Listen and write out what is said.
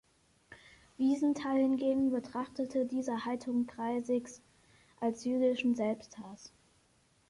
Wiesenthal hingegen betrachtete diese Haltung Kreiskys als „jüdischen Selbsthass“.